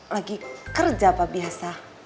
lagi kerja pak biasa